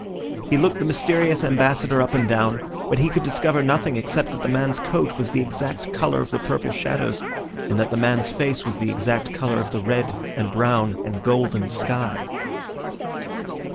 He looked the mysterious ambassador up and down, but he could discover nothing except that the man's coat was the exact colour of the purple shadows, and that the man's face was the exact colour of the red and brown and golden sky.